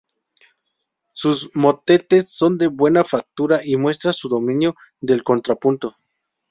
Sus motetes son de buena factura y muestran su dominio del contrapunto.